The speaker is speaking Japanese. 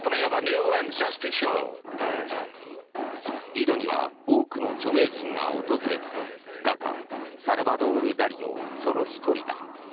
リドには多くの著名人が訪れ画家、サルバドール・ダリもその１人だ。